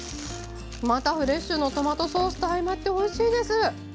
またフレッシュのトマトソースと相まっておいしいです。